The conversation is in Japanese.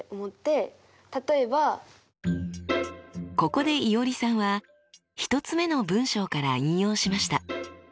ここでいおりさんは１つ目の文章から引用しました。